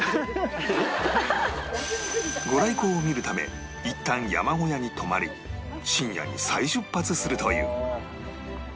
御来光を見るためいったん山小屋に泊まり深夜に再出発するという